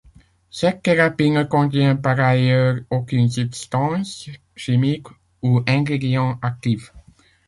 Cette thérapie ne contient par ailleurs aucune substance chimique ou ingrédient actif.